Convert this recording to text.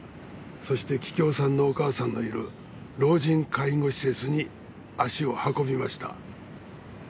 そして桔梗さんのお母さんのいる老人介護施設に足を運びました。